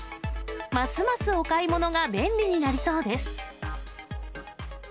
ますますお買い物が便利になりそうです。